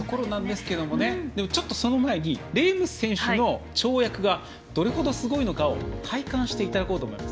ちょっとその前にレーム選手の跳躍がどれほどすごいのかを体感していただこうと思います。